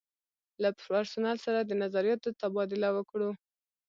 له پرسونل سره د نظریاتو تبادله وکړو.